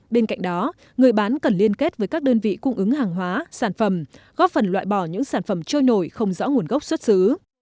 bên cạnh đó người bán cần liên kết với các đơn vị cung ứng hàng hóa sản phẩm góp phần loại bỏ những sản phẩm trôi nổi không rõ nguồn gốc xuất xứ